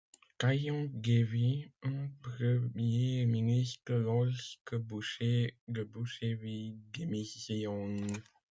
Taillon devient premier ministre lorsque Boucher de Boucherville démissionne.